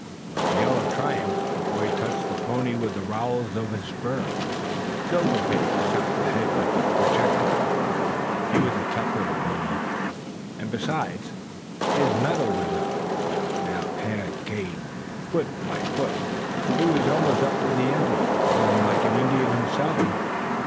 With a yell of triumph the boy touched the pony with the rowels of his spurs. Silver Face shot ahead like a projectile. He was a tough little pony, and besides, his mettle was up. Now Tad gained foot by foot. He was almost up to the Indian, yelling like an Indian himself.